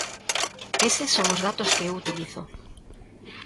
Eses son os datos que eu utilizo.